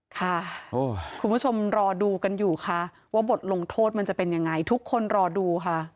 ค่ะคุณผู้ชมรอดูกันอยู่ค่ะว่าบทลงโทษมันจะเป็นยังไงทุกคนรอดูค่ะ